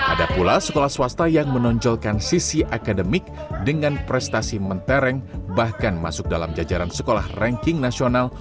ada pula sekolah swasta yang menonjolkan sisi akademik dengan prestasi mentereng bahkan masuk dalam jajaran sekolah ranking nasional